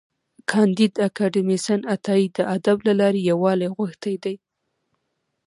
کانديد اکاډميسن عطایي د ادب له لارې یووالی غوښتی دی.